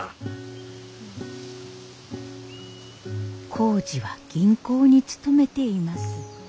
耕治は銀行に勤めています。